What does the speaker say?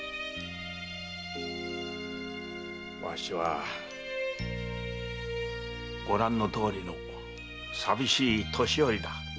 わしはご覧のとおりの寂しい年寄りだ。